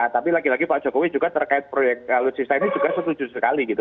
tapi lagi lagi pak jokowi juga terkait proyek alutsisa ini juga setuju sekali gitu